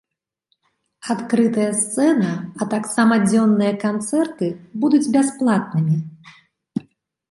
Адкрытая сцэна, а таксама дзённыя канцэрты будуць бясплатнымі.